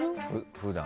普段。